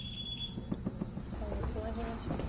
コウをツナぎましたね。